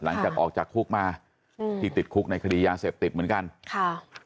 หลังจากออกจากคุกมาอืมที่ติดคุกในคดียาเสพติดเหมือนกันค่ะ